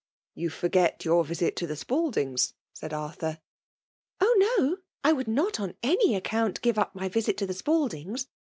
" You forget your visit to the Spaldings/* said Arthur. *' Oh ! no — I would not, on any account, give up my visit to the Spaldings.